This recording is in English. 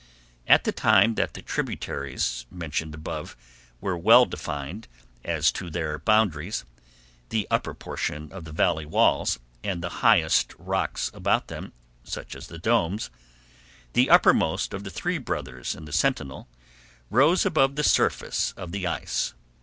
At the time that the tributaries mentioned above were well defined as to their boundaries, the upper portion of the valley walls, and the highest rocks about them, such as the Domes, the uppermost of the Three Brothers and the Sentinel, rose above the surface of the ice.